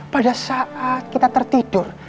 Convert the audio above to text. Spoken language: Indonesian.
pada saat kita tertidur